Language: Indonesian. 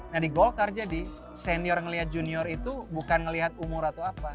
nah di golkar jadi senior ngelihat junior itu bukan melihat umur atau apa